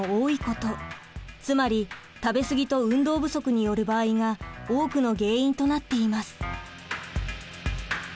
つまり食べ過ぎと運動不足による場合が多くの原因となっています。